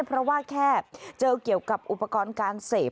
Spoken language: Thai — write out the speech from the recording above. เพราะว่าแค่เจอเกี่ยวกับอุปกรณ์การเสพ